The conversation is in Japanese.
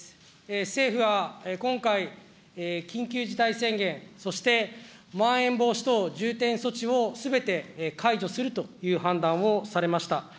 政府は今回、緊急事態宣言そしてまん延防止等重点措置をすべて解除するという判断をされました。